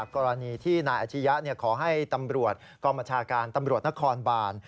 กรณีที่นายอาชียะขอให้ตำรวจกองบัญชาการตำรวจนครบาน